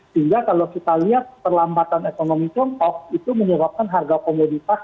sehingga kalau kita lihat perlambatan ekonomi contoh itu menyebabkan harga komoditas